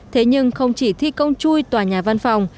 thế nhưng không chỉ thi công chui tòa nhà văn phòng